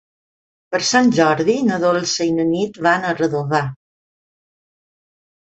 Per Sant Jordi na Dolça i na Nit van a Redovà.